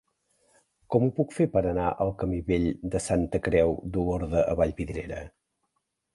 Com ho puc fer per anar al camí Vell de Santa Creu d'Olorda a Vallvidrera?